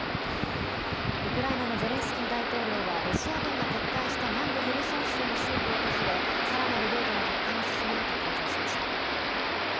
ウクライナのゼレンスキー大統領はロシア軍が撤退した南部ヘルソン州の州都を訪れさらなる領土の奪還を進めると強調しました。